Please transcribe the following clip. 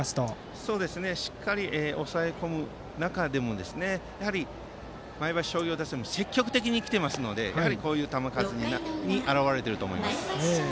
しっかり抑え込む中でも前橋商業打線も積極的に来ていますのでこういう球数に表れていると思います。